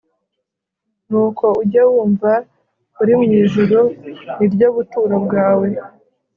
nuko ujye wumva uri mu ijuru ni ryo buturo bwawe